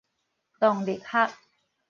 動力學